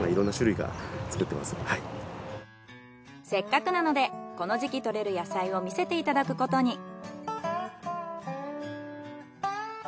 せっかくなのでこの時期採れる野菜を見せていただくことに。